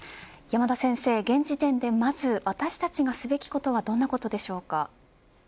山田先生、現時点でまず私たちがすべきことはどんなことでしょうか。